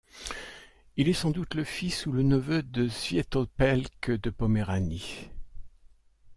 Il est sans doute le fils ou le neveu de Świętopełk de Poméranie.